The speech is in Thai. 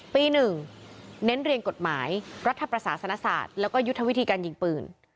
๑เน้นเรียนกฎหมายรัฐประสาสนศาสตร์แล้วก็ยุทธวิธีการยิงปืน